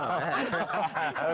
iya ngomong tua tersalah